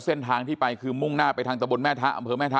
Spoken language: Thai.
เส้นทางที่ไปคือมุ่งหน้าไปทางตะบนแม่ทะอำเภอแม่ทะ